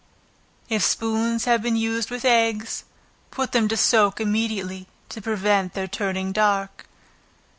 If spoons have been used with eggs, put them to soak immediately, to prevent their turning dark.